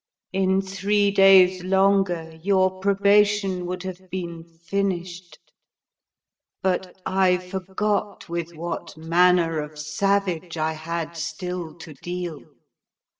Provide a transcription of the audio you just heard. In three days longer your probation would have been finished. But I forgot with what manner of savage I had still to deal.